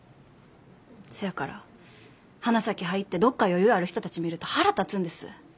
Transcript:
そやから花咲入ってどっか余裕ある人たち見ると腹立つんです。